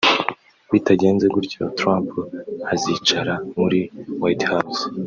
Bitagenze gutyo Trump azicara muri White House